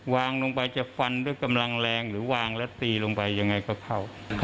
วางลงไปจะฟันด้วยกำลังแรงหรือวางและตีลงไปยังไงก็เข้า